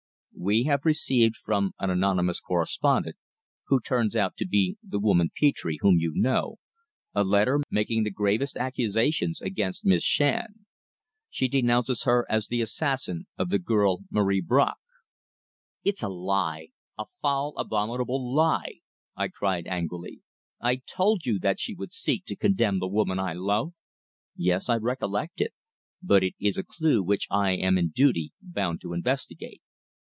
"We have received from an anonymous correspondent who turns out to be the woman Petre, whom you know a letter making the gravest accusations against Miss Shand. She denounces her as the assassin of the girl Marie Bracq." "It's a lie! a foul, abominable lie!" I cried angrily. "I told you that she would seek to condemn the woman I love." "Yes, I recollect. But it is a clue which I am in duty bound to investigate."